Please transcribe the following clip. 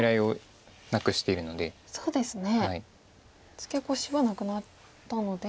ツケコシはなくなったので。